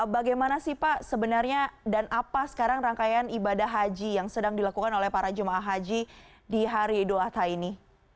bagaimana sih pak sebenarnya dan apa sekarang rangkaian ibadah haji yang sedang dilakukan oleh para jemaah haji di hari idul adha ini